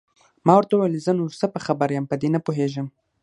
ما ورته وویل: زه نو څه په خبر یم، په دې نه پوهېږم.